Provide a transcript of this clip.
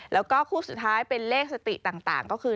แล้วก็คู่สุดท้ายเป็นเลขสติต่างก็คือ